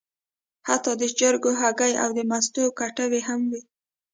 حتی د چرګو هګۍ او د مستو کټوۍ هم وې.